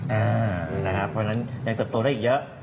เพราะฉะนั้นยังเติบโตได้อีกเยอะ